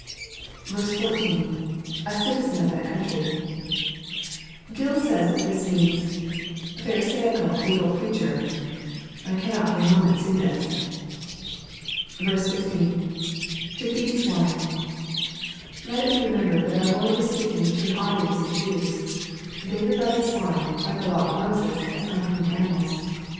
14. — [A citiz&ii of that country,] Grill says that this means, "A Pharisaical legal preacher." I cannot for a moment see this. 15. — [To feed stvine.] Let it be remembered, that our Lord wag speaking to an audience of Jews. They regarded swine, by the law of Moses, as unclean animals.